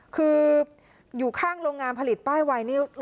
คืออยู่ข้างโรงงานผลิตป้ายไวนี่